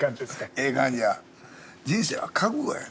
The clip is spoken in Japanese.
人生は覚悟や。